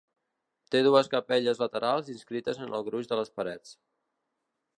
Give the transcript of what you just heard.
Té dues capelles laterals inscrites en el gruix de les parets.